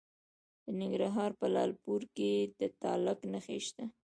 د ننګرهار په لعل پورې کې د تالک نښې شته.